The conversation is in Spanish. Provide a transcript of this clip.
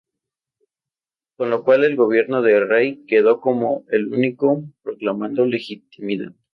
Con lo cual el gobierno de Rei quedó como el único proclamando legitimidad.